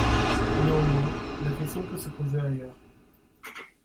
Néanmoins, la question peut se poser ailleurs.